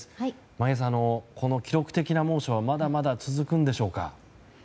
眞家さん、この記録的な猛暑はまだまだ続くんでしょうか。